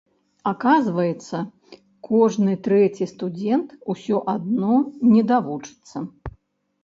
Аказваецца кожны трэці студэнт усё адно не давучыцца.